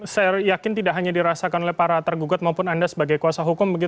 saya yakin tidak hanya dirasakan oleh para tergugat maupun anda sebagai kuasa hukum